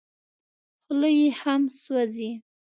خوله یې هم سوځي .